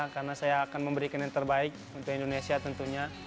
karena saya akan memberikan yang terbaik untuk indonesia tentunya